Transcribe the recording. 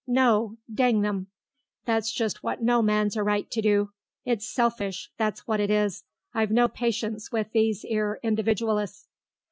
No, dang them; that's just what no man's a right to do. It's selfish; that's what it is.... I've no patience with these 'ere individualists."